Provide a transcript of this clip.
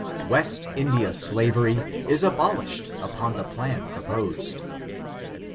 West India slavery is abolished upon the plan proposed.